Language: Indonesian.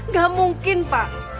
gak mungkin pak